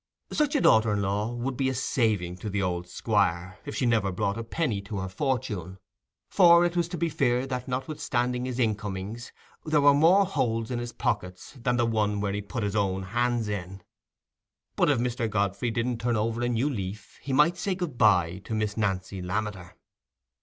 Such a daughter in law would be a saving to the old Squire, if she never brought a penny to her fortune; for it was to be feared that, notwithstanding his incomings, there were more holes in his pocket than the one where he put his own hand in. But if Mr. Godfrey didn't turn over a new leaf, he might say "Good bye" to Miss Nancy Lammeter.